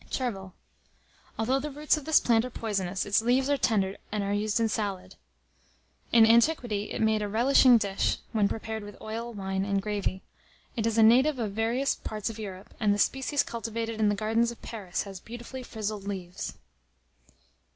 CHERVIL. Although the roots of this plant are poisonous, its leaves are tender, and are used in salads. In antiquity it made a relishing dish, when prepared with oil, wine, and gravy. It is a native of various parts of Europe; and the species cultivated in the gardens of Paris, has beautifully frizzled leaves.